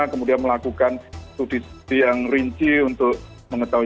kemudian melakukan studi yang rinci untuk mengetahui